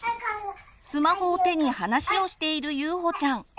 スマホを手に話をしているゆうほちゃん。